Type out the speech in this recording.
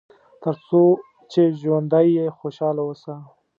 تر څو چې ژوندی یې خوشاله اوسه.